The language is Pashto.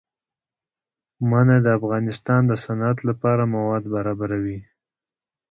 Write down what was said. منی د افغانستان د صنعت لپاره مواد برابروي.